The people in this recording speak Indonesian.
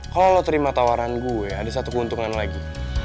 kalau lo terima tawaran gue ada satu keuntungan lagi